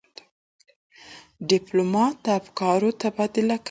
ډيپلومات د افکارو تبادله کوي.